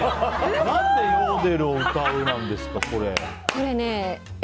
何でヨーデルを歌うなんですか？